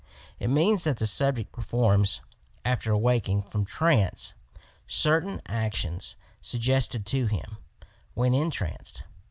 It means that the subject performs, after awakening from trance, certain actions suggested to him when en tranced.